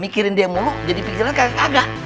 mikirin dia mulu jadi pikirannya kagak kagak